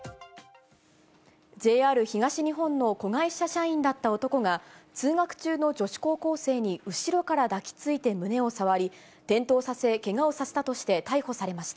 ＪＲ東日本の子会社社員だった男が、通学中の女子高校生に後ろから抱きついて胸を触り、転倒させ、けがをさせたとして逮捕されました。